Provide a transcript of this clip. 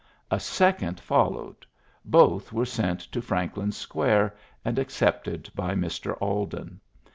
A second followed, both were sent to Franklin Square and accepted by Mr. Alden.